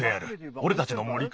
おれたちの森か？